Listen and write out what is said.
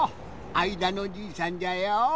あいだのじいさんじゃよ！